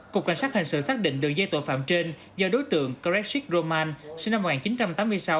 cục cảnh sát hình sự xác định đường dây tội phạm trên do đối tượng karekshik roman sinh năm một nghìn chín trăm tám mươi sáu